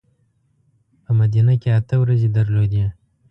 په مدینه کې اته ورځې درلودې.